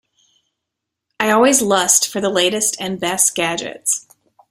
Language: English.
I always lust for the latest and best gadgets.